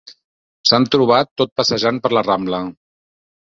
S'han trobat tot passejant per la Rambla.